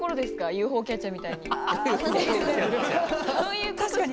ＵＦＯキャッチャーみたいに。